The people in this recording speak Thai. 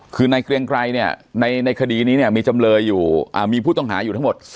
คือในเกียงไกรเนี่ยในคดีมีพูดต้องหาอยู่ทั้งหมด